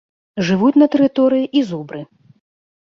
Жывуць на тэрыторыі і зубры.